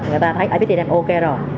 người ta thấy fxtm ok rồi